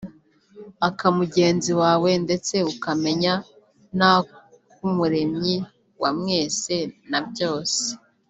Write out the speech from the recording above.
aka mugenzi wawe ndetse ukamenya n’ak’umuremyi wa mwese na byose”